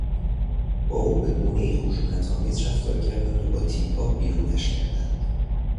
با او به گونهای خشونت آمیز رفتار کردند و با تیپا بیرونش کردند.